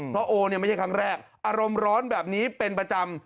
เพราะโอเนี่ยไม่ใช่ครั้งแรกอารมณ์ร้อนแบบนี้เป็นประจำ